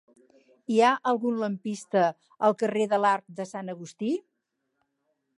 Hi ha algun lampista al carrer de l'Arc de Sant Agustí?